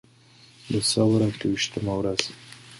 د ثور اته ویشتمه ورځ وه.